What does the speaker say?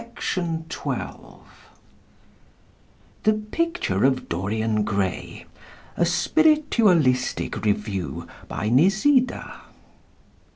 "THE PICTURE OF DORIAN GRAY." A Spiritualistic Review. By "NIZIDA."